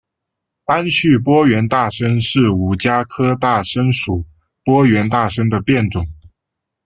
单序波缘大参是五加科大参属波缘大参的变种。